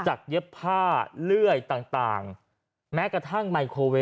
เย็บผ้าเลื่อยต่างแม้กระทั่งไมโครเว